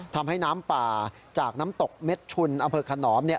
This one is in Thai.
ทำให้น้ำป่าจากน้ำตกเม็ดชุนอำเภอขนอมเนี่ย